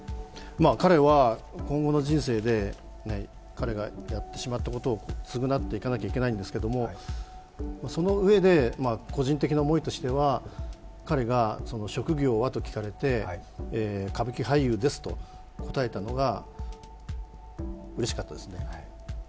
彼は今後の人生で彼がやってしまったことを償っていかなくてはいけないんですけどそのうえで、個人的な思いとしては彼が職業は？と聞かれて「歌舞伎俳優です」と答えたのがうれしかったですね。